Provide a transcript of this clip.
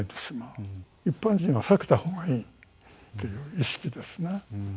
一般人は避けたほうがいいという意識ですね。